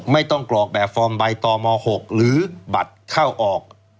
ไม่ต้องกรอกแบบฟอร์มใบต่อม๖หรือบัตรเข้าออก